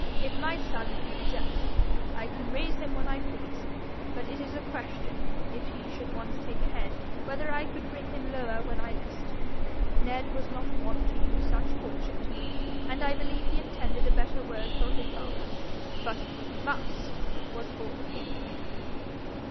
if my son be dejected, I can raise him when I please; but it is a question, if he should once take a head, whether I could bring him lower when I list. Ned was not wont to use such courtship to me, and I believe he intended a better word for his father; but MUST was for the king.'